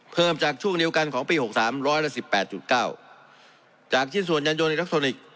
เพิ่มจากช่วงเดียวกันของปีหกสามร้อยละสิบแปดจุดเก้าจากชิ้นส่วนยันยนอิเล็กทรอนิกส์